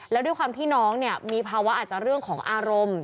แล้วด้วยความที่น้องเนี่ยมีภาวะอาจจะเรื่องของอารมณ์